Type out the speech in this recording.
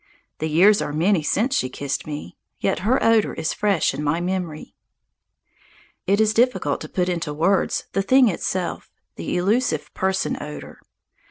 The years are many since she kissed me. Yet her odour is fresh in my memory. It is difficult to put into words the thing itself, the elusive person odour.